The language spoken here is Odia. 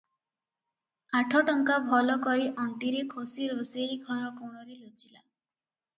ଆଠ ଟଙ୍କା ଭଲ କରି ଅଣ୍ଟିରେ ଖୋଷି ରୋଷେଇ ଘର କୋଣରେ ଲୁଚିଲା ।